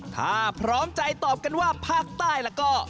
ถ้าพร้อมใจตอบกันว่าภาคใต้แล้วก็